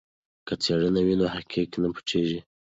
که څېړنه وي نو حقایق نه پټیږي.